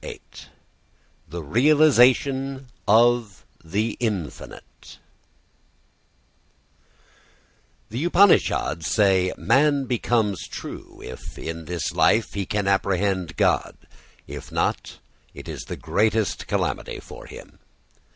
VIII THE REALISATION OF THE INFINITE The Upanishads say: "Man becomes true if in this life he can apprehend God; if not, it is the greatest calamity for him."